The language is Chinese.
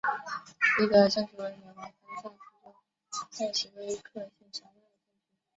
伊格尔镇区为美国堪萨斯州塞奇威克县辖下的镇区。